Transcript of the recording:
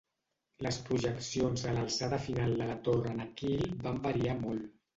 Les projeccions de l'alçada final de la torre Nakheel van variar molt.